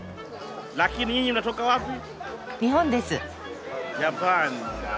日本です。